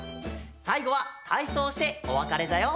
さいごは体操をしておわかれだよ！